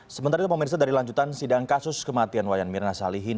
sementara itu pemirsa dari lanjutan sidang kasus kematian wayan mirna salihin